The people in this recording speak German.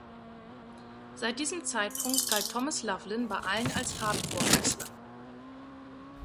Seit diesem Zeitpunkt galt Thomas Laughlin bei allen als Hardcore-Wrestler.